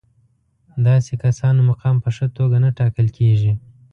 داسې کسانو مقام په ښه توګه نه ټاکل کېږي.